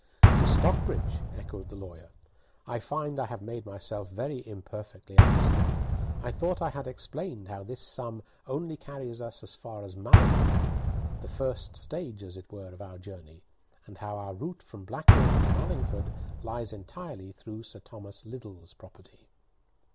"To Stockbridge!" echoed the lawyer. "I find I have made myself very imperfectly understood. I thought I had explained how this sum only carries us as far as Mallingford, the first stage, as it were, of our journey, and how our route from Blackwater to Mallingford lies entirely through Sir Thomas Liddell's property."